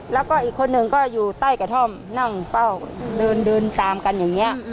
แล้วก็อีกคนหนึ่งก็อยู่ใต้กระท่อมนั่งเฝ้าเดินตามกันอย่างนี้